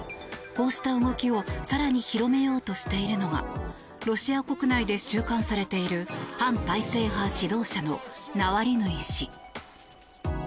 こうした動きを更に広めようとしているのがロシア国内で収監されている反体制派指導者のナワリヌイ氏。